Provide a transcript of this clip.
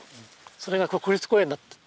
それが国立公園になった。